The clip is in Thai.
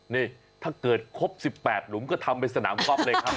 นี่ถ้าเกิดครบ๑๘หลุมก็ทำเป็นสนามก๊อฟเลยครับ